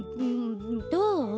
どう？